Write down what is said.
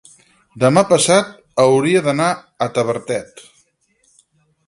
demà passat hauria d'anar a Tavertet.